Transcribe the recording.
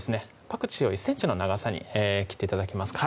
パクチーを１ｃｍの長さに切って頂けますか？